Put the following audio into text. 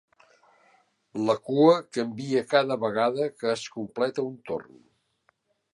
La cua canvia cada vegada que es completa un torn.